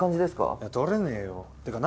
いや取れねぇよ。ってかな